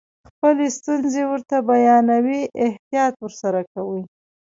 خپلې ستونزې ورته بیانوئ احتیاط ورسره کوئ.